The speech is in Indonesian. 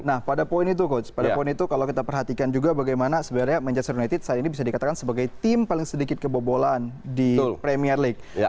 nah pada poin itu coach pada poin itu kalau kita perhatikan juga bagaimana sebenarnya manchester united saat ini bisa dikatakan sebagai tim paling sedikit kebobolan di premier league